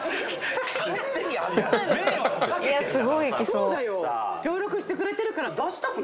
そうだよ。協力してくれてるから。